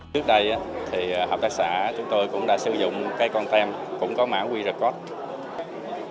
trước đây thì hợp tác xã chúng tôi cũng đã sử dụng cái con tem cũng có mã qr code